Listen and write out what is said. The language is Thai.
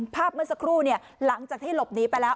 เมื่อสักครู่หลังจากที่หลบหนีไปแล้ว